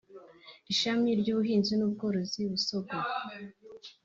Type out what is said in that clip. ishami ry’Ubuhinzi n’Ubworozi (Busogo)